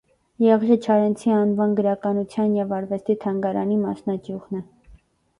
Ե. Չարենցի անուան գրականութեան եւ արուեստի թանգարանի մասնաճիւղն է։